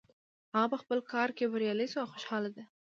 هغه په خپل کار کې بریالی شو او خوشحاله ده